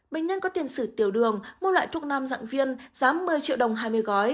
bệnh nhân có tiền sử tiểu đường mua lại thuốc nam dạng viên giá một mươi triệu đồng hai mươi gói